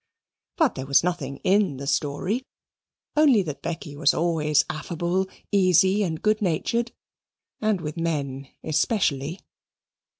But there was nothing in the story, only that Becky was always affable, easy, and good natured and with men especially.